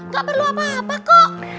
gak perlu apa apa kok